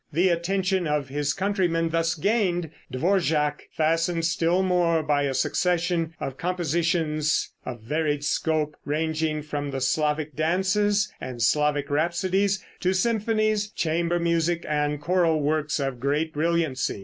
The attention of his countrymen, thus gained, Dvorak fastened still more by a succession of compositions of varied scope, ranging from the Slavic dances and Slavic rhapsodies to symphonies, chamber music and choral works of great brilliancy.